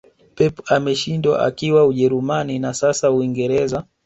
pep ameshindwa akiwa ujerumani na sasa uingereza